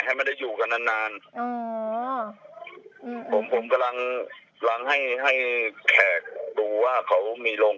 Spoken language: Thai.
ให้ไม่ได้อยู่กันนานนานอ๋ออืมผมผมกำลังให้ให้แขกดูว่าเขามีโรง